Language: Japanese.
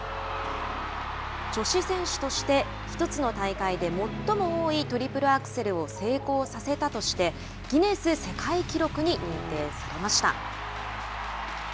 女子選手として１つの大会で最も多いトリプルアクセルを成功させたとしてギネス世界記録に認定されました。